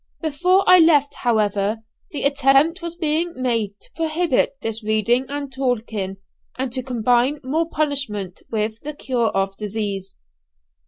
Before I left, however, the attempt was being made to prohibit this reading and talking, and to combine more punishment with the cure of disease.